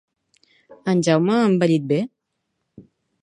En Jaume ha envellit bé?